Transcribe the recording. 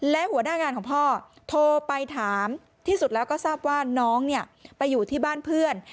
และหัวหน้างานของพ่อโทรไปถามที่สุดแล้วก็ทราบว่าน้องไปอยู่ที่บ้านเพื่อน